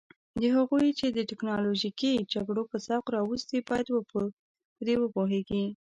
هغوی چې د تکنالوژیکي جګړو په ذوق راوستي باید په دې وپوهیږي.